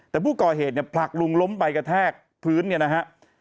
แต่ผู้ก่อเหตุเนี่ยผลักลุงล้มไปกระแทกพื้นเนี่ยนะฮะ